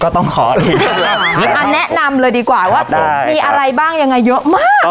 ก็ต้องขออีกอันนี้มาแนะนำเลยดีกว่าว่าได้มีอะไรบ้างยังไงเยอะมากอ๋อ